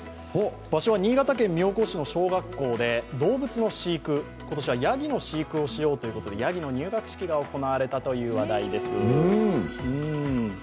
場所は新潟県妙高市で、動物の飼育、今年はやぎの飼育をしようということでやぎの入学式が行われたという話題です。